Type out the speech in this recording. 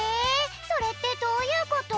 それってどういうこと？